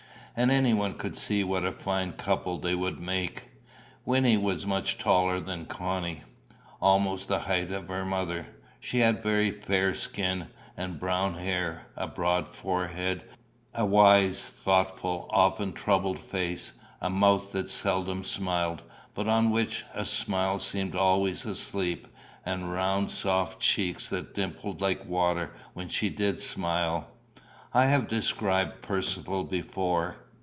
And anyone could see what a fine couple they would make. Wynnie was much taller than Connie almost the height of her mother. She had a very fair skin, and brown hair, a broad forehead, a wise, thoughtful, often troubled face, a mouth that seldom smiled, but on which a smile seemed always asleep, and round soft cheeks that dimpled like water when she did smile. I have described Percivale before.